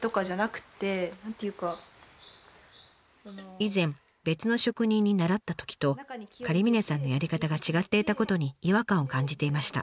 以前別の職人に習ったときと狩峰さんのやり方が違っていたことに違和感を感じていました。